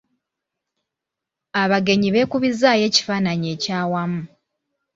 Abagenyi beekubizzaayo ekifaananyi ekyawamu.